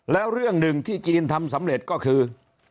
แล้วเรื่องหนึ่งที่จีนทำสำเร็จก็คือ